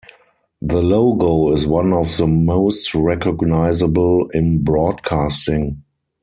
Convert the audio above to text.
The logo is one of the most recognisable in broadcasting.